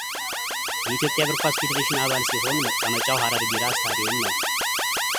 የኢትዮጵያ እግር ኳስ ፌዴሬሽን አባል ሲሆን መቀመጫው ሐረር ቢራ ስታዲየም ነው።